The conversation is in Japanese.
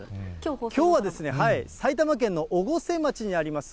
きょうはですね、埼玉県の越生町にあります